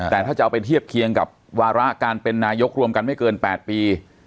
แต่ถ้าจะเอาไปเทียบเคียงกับวาระการเป็นนายกรวมกันไม่เกิน๘ปี